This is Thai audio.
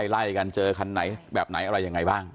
ไล่กันเจอคันไหนแบบไหนอะไรยังไงบ้าง